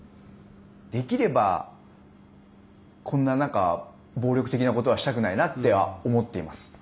できれば、こんな中暴力的なことはしたくないなと思っています。